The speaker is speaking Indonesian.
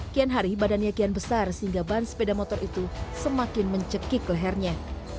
kian hari badannya kian besar sehingga ban sepeda motor itu semakin mencekik lehernya